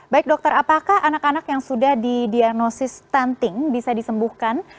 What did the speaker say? baik dokter apakah anak anak yang sudah didiagnosis stunting bisa disembuhkan